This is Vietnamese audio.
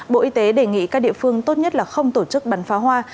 bộ y tế đề nghị các địa phương tốt nhất là không tổ chức bắn pháo hoa